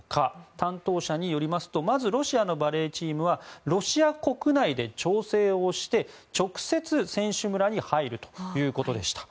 担当者によりますとまず、ロシアのバレーチームはロシア国内で調整をして、直接選手村に入るということでした。